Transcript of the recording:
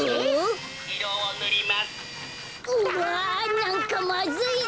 なんかまずいぞ！